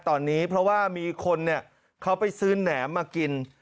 ตอนนี้เพราะว่ามีคนเขาไปซื้อแหนมมากิน